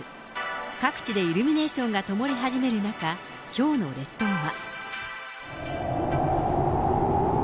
各地でイルミネーションがともり始める中、きょうの列島は。